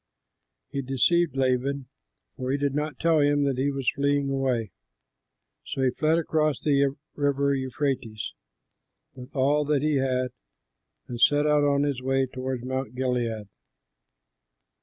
He deceived Laban, for he did not tell him that he was fleeing away. So he fled across the river Euphrates, with all that he had, and set out on his way toward Mount Gilead.